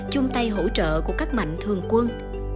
chung tay hỗ trợ của các mạnh thường quân